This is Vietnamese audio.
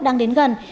đang đến gần